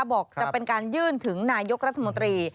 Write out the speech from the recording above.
บอกจะเป็นการยื่นถึงนายกรัฐมนตรี